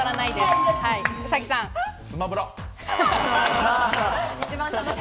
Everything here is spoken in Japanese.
スマブラ。